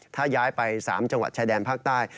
ถ้าย้ายไป๓จังหวัดชายแดนภาคใต้